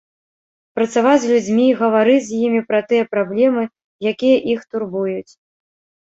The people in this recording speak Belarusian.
Працаваць з людзьмі, гаварыць з імі пра тыя праблемы, якія іх турбуюць.